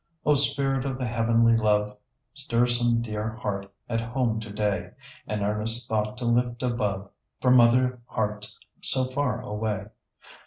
O Spirit of the heavenly Love, Stir some dear heart at home today, An earnest thought to lift above, For mother hearts so far away.